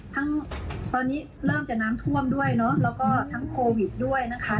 ทั้งตอนนี้เริ่มจะน้ำท่วมด้วยเนอะแล้วก็ทั้งโควิดด้วยนะคะ